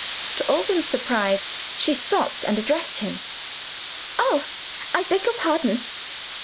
To Alban's surprise she stopped and addressed him. "Oh, I beg your pardon.